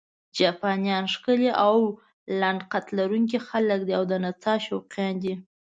جاپانیان ښکلي او لنډ قد لرونکي خلک دي او د نڅا شوقیان دي.